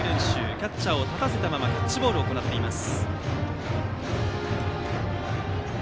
キャッチャーを立たせたままキャッチボールを行っています。